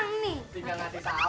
cepi sama aduk